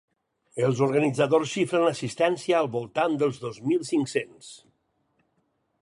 Els organitzadors xifren l’assistència al voltant dels dos mil cinc-cents.